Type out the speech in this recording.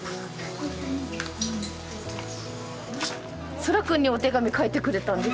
蒼空くんにお手紙書いてくれたんです。